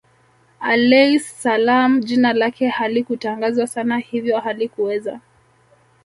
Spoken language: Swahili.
Alayhis Salaam jina lake halikutangazwa sana hivyo halikuweza